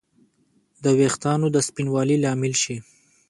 د ویښتانو د سپینوالي لامل شي